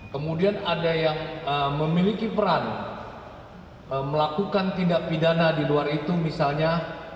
kemudian ada yang memiliki peran melakukan tindak pidana di luar itu misalnya